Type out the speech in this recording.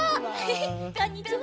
こんにちは。